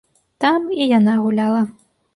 Там і яна гуляла.